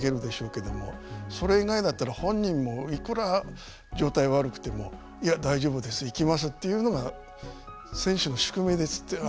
それ以外だったら本人もいくら状態悪くても「いや大丈夫です行きます」と言うのが選手の宿命です。